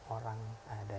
empat orang ada